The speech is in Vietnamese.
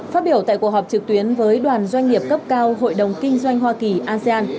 phát biểu tại cuộc họp trực tuyến với đoàn doanh nghiệp cấp cao hội đồng kinh doanh hoa kỳ asean